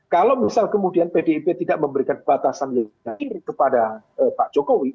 kalau misal kemudian pdip tidak memberikan batasan lebih kepada pak jokowi